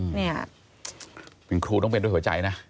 นี่คุณครูต้องเป็นด้วยหัวใจนะ